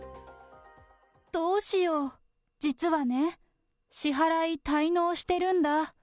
どうしよう、実はね、支払い滞納してるんだ。